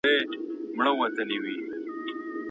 ایا ځايي کروندګر وچ انار پلوري؟